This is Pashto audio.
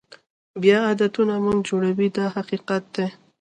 بیا عادتونه موږ جوړوي دا حقیقت دی.